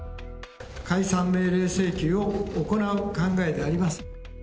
解散命令請求を行う考えであります。